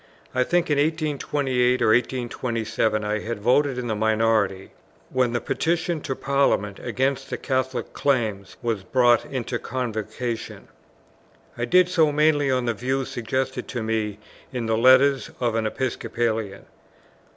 I think in 1828 or 1827 I had voted in the minority, when the Petition to Parliament against the Catholic Claims was brought into Convocation. I did so mainly on the views suggested to me in the Letters of an Episcopalian.